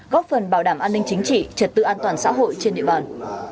góp phần bảo đảm an ninh chính trị trật tự an toàn xã hội trên địa bàn